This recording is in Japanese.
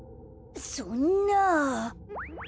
そんな。